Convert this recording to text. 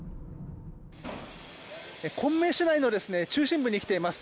昆明市内の中心部に来ています。